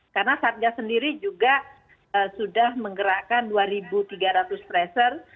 karena satya sendiri juga sudah menggerakkan dua tiga ratus tracer